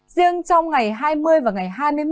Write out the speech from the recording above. riêng trong ngày hai mươi và ngày hai mươi một